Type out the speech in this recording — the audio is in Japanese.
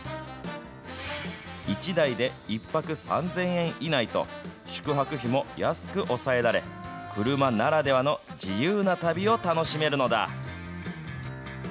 １台で１泊３０００円以内と、宿泊費も安く抑えられ、車ならではの自由な旅を楽しめるのだ。